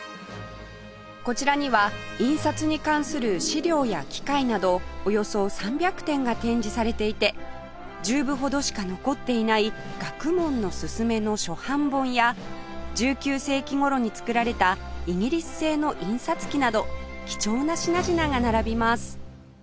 こちらには印刷に関する資料や機械などおよそ３００点が展示されていて１０部ほどしか残っていない『学問のすゝめ』の初版本や１９世紀頃に造られたイギリス製の印刷機など貴重な品々が並びます